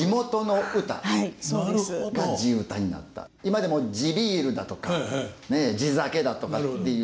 今でも地ビールだとか地酒だとかっていう。